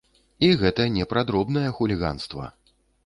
І гэта не пра дробнае хуліганства!